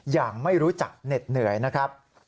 อย่างไม่รู้จักเหน็ดเหนื่อยนะครับ